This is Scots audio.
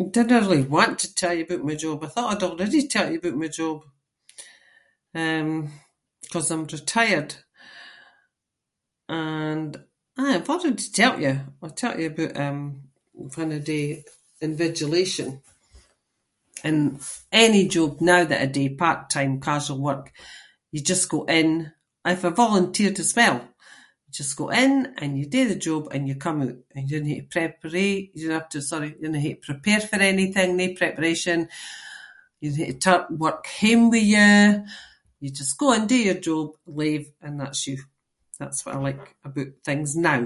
I dinna really want to tell you aboot my job. I thought I'd already telt you aboot my job, um, ‘cause I’m retired and, aye, I’ve already telt you. I telt you aboot, um, when I do invigilation and any job now that I do part-time casual work, you just go in- if I volunteered as well- you just go in and you do the job and you come oot. You dinna hae to preparate- you dinna have to- sorry- you dinna hae to prepare for anything, nae preparation, you don’t need to take work home with you. You just go in, do your job, leave and that’s you. That’s what I like aboot things now.